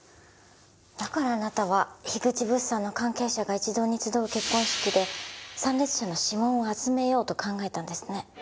だからあなたは口物産の関係者が一堂に集う結婚式で参列者の指紋を集めようと考えたんですね。